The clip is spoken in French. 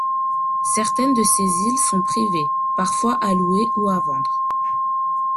Certaines de ces îles sont privées, parfois à louer ou à vendre.